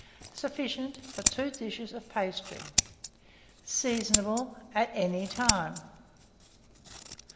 Sufficient for 2 dishes of pastry. Seasonable at any time.